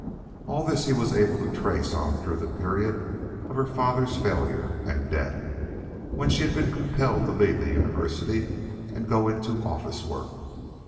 All this he was able to trace on through the period of her father's failure and death, when she had been compelled to leave the university and go into office work.